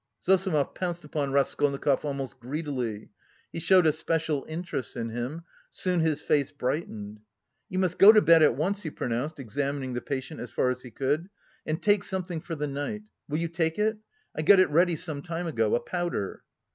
Zossimov pounced upon Raskolnikov almost greedily; he showed a special interest in him; soon his face brightened. "You must go to bed at once," he pronounced, examining the patient as far as he could, "and take something for the night. Will you take it? I got it ready some time ago... a powder."